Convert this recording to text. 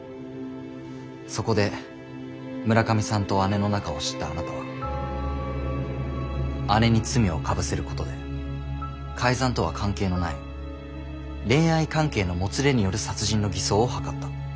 そこで村上さんと姉の仲を知ったあなたは姉に罪をかぶせることで「改ざんとは関係のない恋愛関係のもつれによる殺人」の偽装を図った。